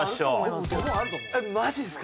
マジっすか？